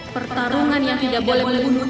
pertarungan yang tidak boleh mundur